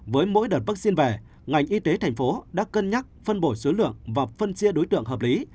với mỗi đợt vaccine về ngành y tế thành phố đã cân nhắc phân bổ số lượng và phân chia đối tượng hợp lý